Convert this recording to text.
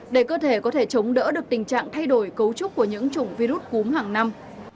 để cơ thể có thể chống đỡ được tình trạng thay đổi cấu trúc của những chủng virus cúm hàng năm